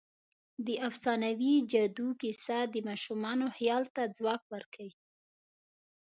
د افسانوي جادو کیسه د ماشومانو خیال ته ځواک ورکوي.